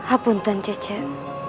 apa tuan cicek